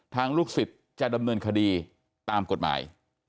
ลูกศิษย์จะดำเนินคดีตามกฎหมาย